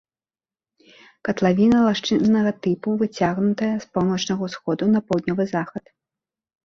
Катлавіна лагчыннага тыпу, выцягнутая з паўночнага ўсходу на паўднёвы захад.